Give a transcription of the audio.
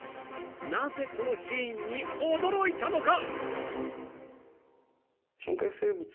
［なぜこのシーンに驚いたのか］